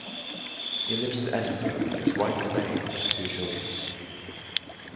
He lives in Edinburgh with his wife, Elaine, and two children.